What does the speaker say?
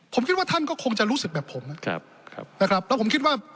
ผมคิดว่าท่านก็คงจะรู้สึกแบบผมนะครับแล้วผมคิดว่า